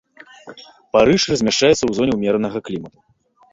Парыж размяшчаецца ў зоне умеранага клімату.